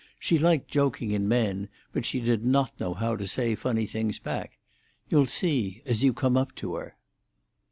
She liked joking in men, but she did not know how to say funny things back "You'll see, as you come up to her."